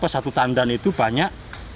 satu tandan itu banyak